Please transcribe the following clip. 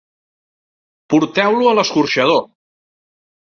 Porteu-lo a l'escorxador!